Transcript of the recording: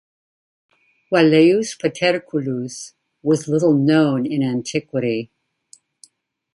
Velleius Paterculus was little known in antiquity.